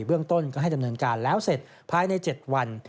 เรื่องต้นก็ให้ดำเนินการแล้วเสร็จภายใน๗วัน